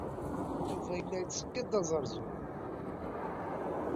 Yuba yella yettṣeyyid-d azeṛzuṛ.